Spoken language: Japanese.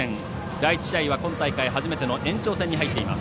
第１試合は今大会初めての延長戦に入っています。